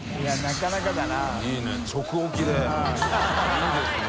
いいですね。